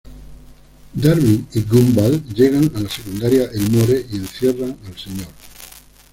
Darwin y Gumball llegan a la Secundaria Elmore, y encierran al Sr.